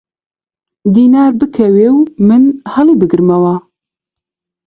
دینار بکەوێ و من هەڵیگرمەوە!